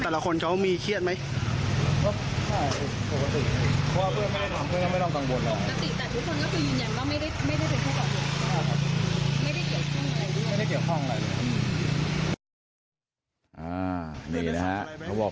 เพื่อนเจ็ดคนข้างนายเป็นยังไงบ้างครับ